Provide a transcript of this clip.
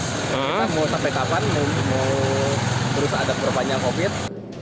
kita mau sampai kapan mau terus ada perpanjangan covid